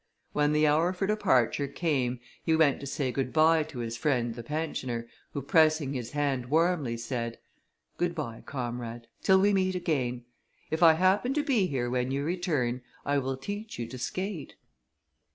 When the hour for departure came, he went to say good bye to his friend the pensioner, who pressing his hand warmly, said, "Good bye, comrade, till we meet again; if I happen to be here when you return, I will teach you to skate."